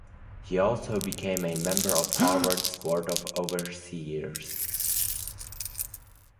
He also became a member of Harvard's Board of Overseers.